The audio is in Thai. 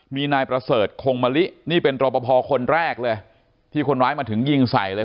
มีนายประเสริฐคงมะลินี่เป็นรอปภคนแรกเลยที่คนร้ายมาถึงยิงใส่เลย